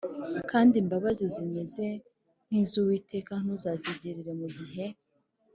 Kandi imbabazi zimeze nk’iz’Uwiteka ntuzazingirire mu gihe